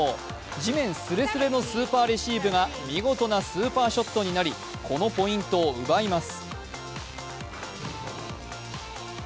地面すれすれのスーパーレシーブが見事なスーパーショットになりこのポイントを奪います。